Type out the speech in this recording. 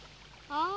ああ。